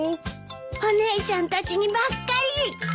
お姉ちゃんたちにばっかり。